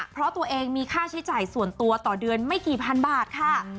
เพราะตัวเองมีค่าใช้จ่ายส่วนตัวต่อเดือนไม่กี่พันบาทค่ะ